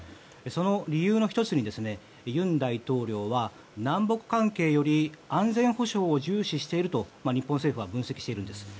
その理由の１つに、尹大統領は南北関係より安全保障を重視していると日本政府は分析しているんです。